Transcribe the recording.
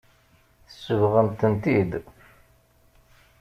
Tsebɣemt-tent-id.